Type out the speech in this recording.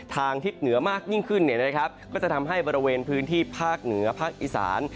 ทิศเหนือมากยิ่งขึ้นก็จะทำให้บริเวณพื้นที่ภาคเหนือภาคอีสาน